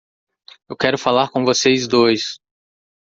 Eu quero falar com vocês dois.